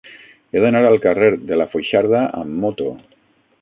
He d'anar al carrer de la Foixarda amb moto.